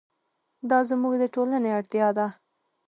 دا زموږ د ټولنې اړتیا ده.